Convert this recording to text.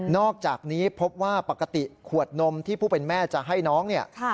อกจากนี้พบว่าปกติขวดนมที่ผู้เป็นแม่จะให้น้องเนี่ย